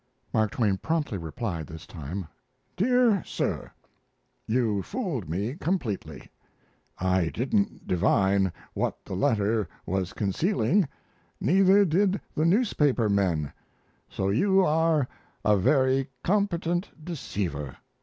Mark Twain promptly replied this time: DEAR SIR, You fooled me completely; I didn't divine what the letter was concealing, neither did the newspaper men, so you are a very competent deceiver.